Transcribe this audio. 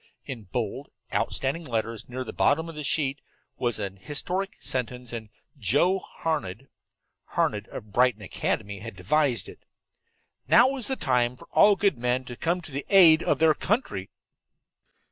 In bold, outstanding letters near the bottom of the sheet was an historic sentence, and Joe Harned Harned, of Brighton Academy had devised it. "NOW IS THE TIME FOR ALL GOOD MEN TO COME TO THE AID OF THEIR COUNTRY!"